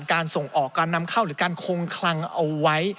การส่งออกการนำเข้าหรือการคงคลังเอาไว้